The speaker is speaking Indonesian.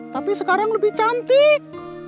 tapi sekarang lebih cantik